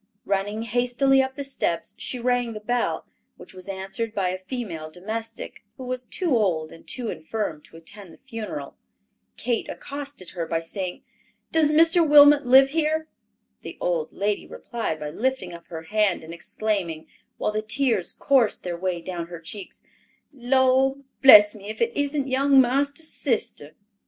Running hastily up the steps, she rang the bell, which was answered by a female domestic, who was too old and too infirm to attend the funeral. Kate accosted her by saying, "Does Mr. Wilmot live here?" The old lady replied by lifting up her hand and exclaiming, while the tears coursed their way down her cheeks, "Lord bless me if it isn't young marster's sister."